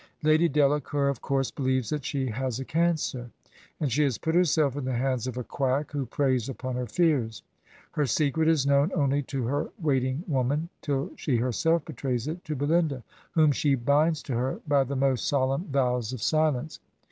Lady Delacour, of course, believes that she has a cancer, and she has put herself in the hands of a quack who preys upon her fears. Her secret is known only to her waiting woman, till she herself betrays it to Belinda, whom she binds to her by the most solemn vows of si lence.